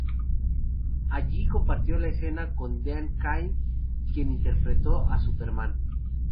Allí compartió escena con Dean Cain, quien interpretó a Superman.